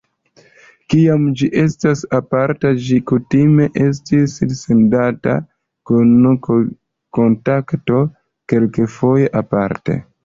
Kiam ĝi estis aparta, ĝi kutime estis sendata kun "Kontakto", kelkfoje aparte.